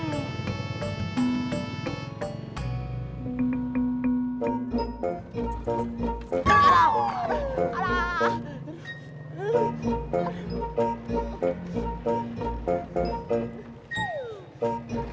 nanti kita cari